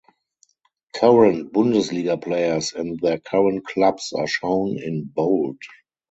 Current Bundesliga players and their current clubs are shown in bold.